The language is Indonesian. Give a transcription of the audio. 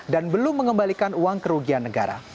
dan belum mengembalikan uang kerugian negara